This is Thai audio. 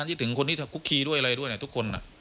คิดถึงคนที่ทำคุกคีด้วยอะไรด้วยนะทุกคน